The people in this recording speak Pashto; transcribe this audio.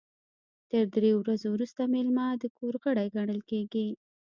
تر دریو ورځو وروسته میلمه د کور غړی ګڼل کیږي.